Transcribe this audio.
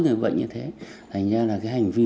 người bệnh như thế thành ra là cái hành vi